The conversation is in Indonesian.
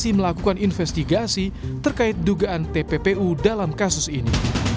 masih melakukan investigasi terkait dugaan tppu dalam kasus ini